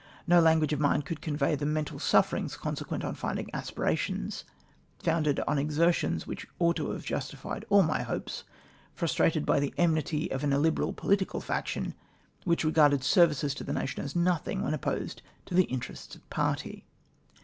Xo language of mine coidd convey tlie mental sufferings consequent on finding aspirations — founded on exertions wliicli ought to have justified all my hoj^es — frustrated by the enmity of an illiberal political faction, which regarded services to the nation as nothing when opposed to the interests of party.